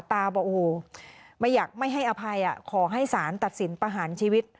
บอกโอ้โหไม่อยากไม่ให้อภัยขอให้สารตัดสินประหารชีวิต